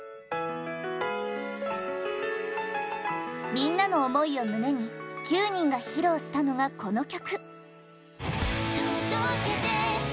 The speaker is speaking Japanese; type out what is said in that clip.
みんなの想いを胸に９人が披露したのがこの曲。